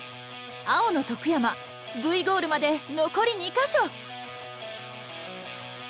青の徳山Ｖゴールまで残り２か所！